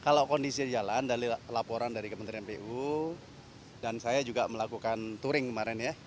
kalau kondisi jalan dari laporan dari kementerian pu dan saya juga melakukan touring kemarin ya